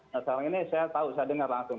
nah sekarang ini saya tahu saya dengar langsung